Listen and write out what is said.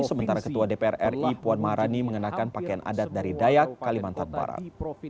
sementara ketua dpr ri puan maharani mengenakan pakaian adat dari dayak kalimantan barat